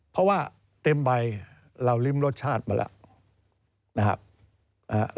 เพราะว่าเต็มใบเราริ่มรสชาติมาแล้ว